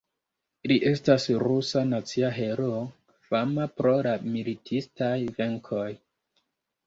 Li estas rusa nacia heroo, fama pro la militistaj venkoj.